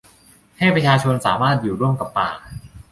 ให้ประชาชนสามารถอยู่ร่วมกับป่า